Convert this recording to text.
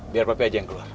biar papi aja yang keluar